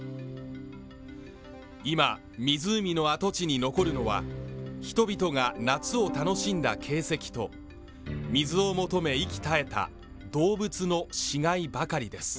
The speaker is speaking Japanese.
今湖の跡地に残るのは人々が夏を楽しんだ形跡と水を求め息絶えた動物の死骸ばかりです